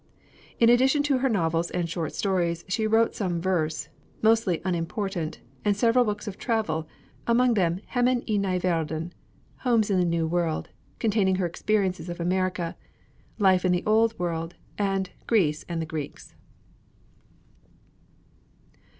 In addition to her novels and short stories, she wrote some verse, mostly unimportant, and several books of travel, among them 'Hemmen i ny Verlden' (Homes in the New World), containing her experiences of America; 'Life in the Old World'; and 'Greece and the Greeks.'